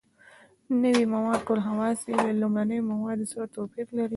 نوي مواد ټول خواص یې له لومړنیو موادو سره توپیر لري.